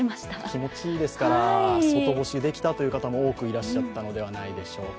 気持ちいいですから外干しできたという方も多くいらっしゃったんじゃないで消化。